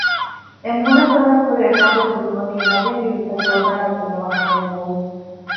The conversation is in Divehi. އެމޫނަށް ބަލަން ހުރެ އެޙަބަރު ދިނުމަކީ ނަވީންގެ ހިތަށް ކުޅަދާނަވެގެން ވާ ކަމެއް ނޫން